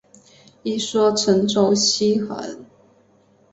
一说陈州西华人。